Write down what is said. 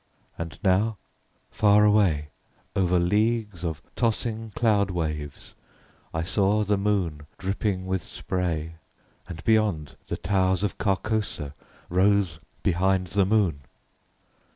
And now, far away, over leagues of tossing cloud waves, I saw the moon dripping with spray; and beyond, the towers of Carcosa rose behind the moon.